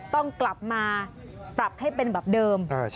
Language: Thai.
ต้องกลับมาปรับให้เป็นแบบเดิม